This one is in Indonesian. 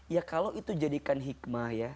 ya kalau itu jadikan hikmah ya